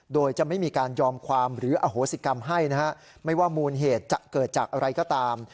โดยจะไม่มีการยอมความหรืออโหสิกรรมให้นะฮะไม่ว่ามูลเหตุจะเกิดจากอะไรก็ตาม